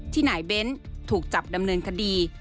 ที่นายเบนท์ถูกจับดำเนินคดี